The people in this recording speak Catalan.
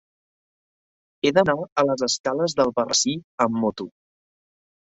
He d'anar a les escales d'Albarrasí amb moto.